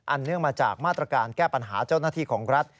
เนื่องมาจากมาตรการแก้ปัญหาเจ้าหน้าที่ของรัฐ